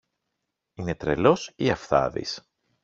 Είναι τρελός ή αυθάδης;